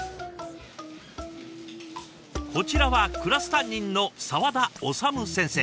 こちらはクラス担任の沢田修先生。